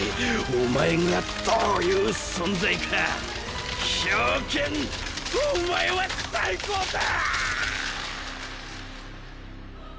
お前がどういう存在か冰剣お前は最高だ！